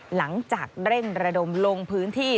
หลังจากเร่งระดมลงพื้นที่